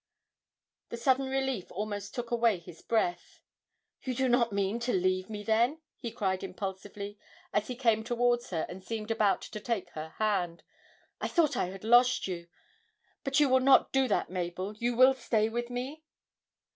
The sudden relief almost took away his breath. 'You do not mean to leave me then!' he cried impulsively, as he came towards her and seemed about to take her hand. 'I thought I had lost you but you will not do that, Mabel, you will stay with me?'